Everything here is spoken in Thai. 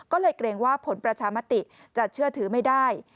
ก็เลยเกรงว่าผลประชามติจะเชื่อถือไม่ได้